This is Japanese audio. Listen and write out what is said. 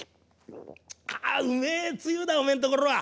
ああうめえつゆだおめえんところは！